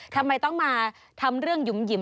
ทำไมต้องมาทำเรื่องหยุ่มหิม